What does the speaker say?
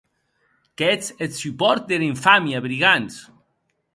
Qu’ètz eth supòrt dera infàmia, brigands!